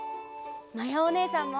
まやおねえさんも！